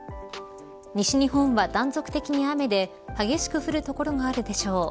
西日本は断続的に雨で激しく降る所があるでしょう。